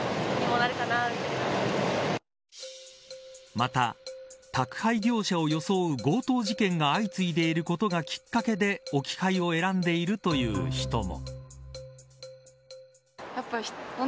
また宅配業者を装う強盗事件が相次いでいることがきっかけで置き配を選んでいるという人も。